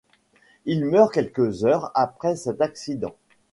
Il meurt quelques heures après cet accident.